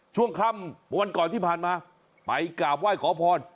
ช่วงค่ำวันก่อนที่ผ่านมาไปกราบไหว้ขอพร